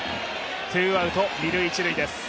ツーアウト二・一塁です。